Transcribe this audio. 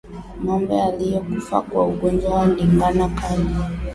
Ngombe aliyekufa kwa ugonjwa wa ndigana kali